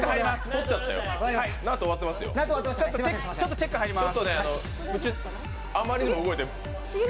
チェック入ります。